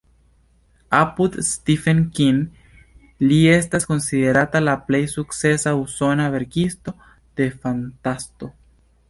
Apud Stephen King li estas konsiderata la plej sukcesa usona verkisto de fantasto.